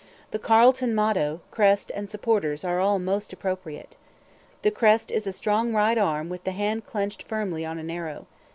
The Carleton motto, crest, and supporters are all most appropriate. The crest is a strong right arm with the hand clenched firmly on an arrow.